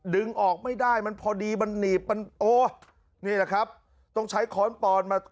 ดึงออกไม่ได้มันพอดีมันหนีบมันโอ้นี่แหละครับต้องใช้ค้อนปอนมา